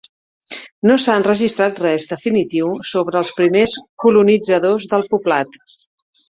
No s'ha enregistrat res definitiu sobre els primers colonitzadors del poblat.